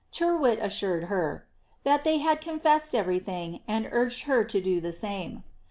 " Tyrwhit assured her, ^^ that they had confessed everything, and urged her to do the same.